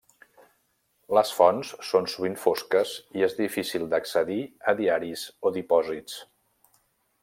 Les fonts són sovint fosques i és difícil d'accedir a diaris o dipòsits.